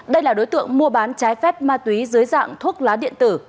đây là đối tượng mua bán trái phép ma túy dưới dạng thuốc lá điện tử